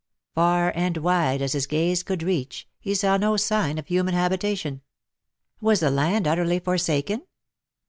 Far and wide as his gaze could reach, he saw no sign of human habitation. Was the land utterly forsaken